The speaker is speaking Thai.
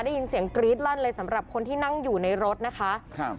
ได้ยินเสียงกรี๊ดลั่นเลยสำหรับคนที่นั่งอยู่ในรถนะคะครับ